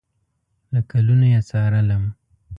له کلونو یې څارلم